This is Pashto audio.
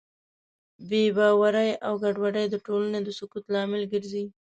بېباورۍ او ګډوډۍ د ټولنې د سقوط لامل ګرځي.